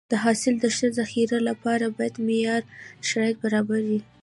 د حاصل د ښه ذخیرې لپاره باید معیاري شرایط برابر شي.